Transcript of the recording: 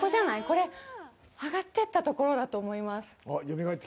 これ、上がってったところだと思います。